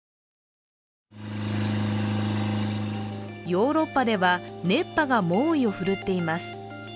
ヨーロッパでは、熱波が猛威を振るっています。